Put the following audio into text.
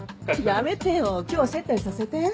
やめてよ今日は接待させて。